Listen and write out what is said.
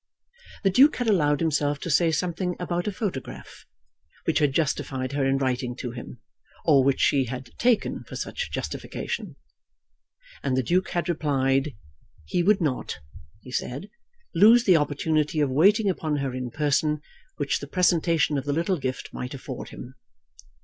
The Duke had allowed himself to say something about a photograph, which had justified her in writing to him, or which she had taken for such justification. And the Duke had replied. "He would not," he said, "lose the opportunity of waiting upon her in person which the presentation of the little gift might afford him."